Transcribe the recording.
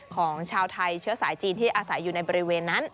ของชาวไทยเชื้อสายจีนที่อาศัยอยู่ในบริเวณนั้น